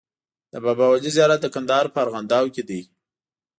د بابا ولي زيارت د کندهار په ارغنداب کی دی